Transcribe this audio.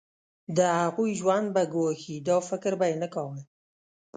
د هغوی ژوند به ګواښي دا فکر به یې نه کاوه.